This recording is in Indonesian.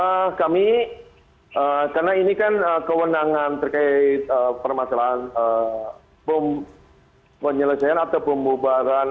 ya kami karena ini kan kewenangan terkait permasalahan bom penyelesaian atau pembubaran